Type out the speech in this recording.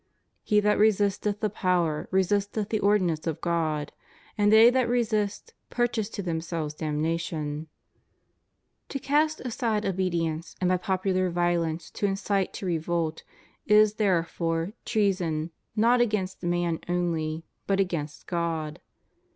He that resisteth the power resisteth the ordinance of God, and they that resist, purchase to themselves damnation} To cast aside obedience, and by popular violence to incite to revolt, is therefore treason, not against man only, but against God.